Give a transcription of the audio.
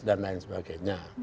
dan lain sebagainya